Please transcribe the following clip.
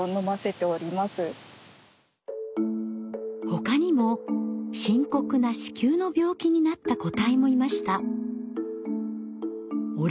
他にも深刻な子宮の病気になった個体もいました。